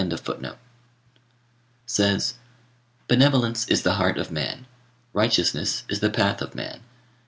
I) Môshi says, "Benevolence is the heart of man; righteousness is the path of man.